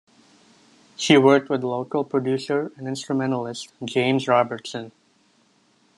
She worked with local producer and instrumentalist, James Robertson.